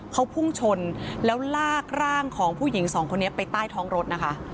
เขาพุ่งชนแล้วลากร่างของผู้หญิงสองคนนี้ไปใต้ท้องรถนะคะ